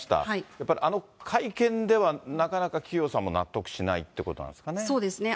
やっぱりあの会見ではなかなか企業さんも納得しないということなそうですね。